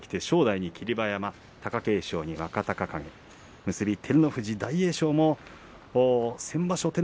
正代に霧馬山貴景勝に若隆景照ノ富士に大栄翔も先場所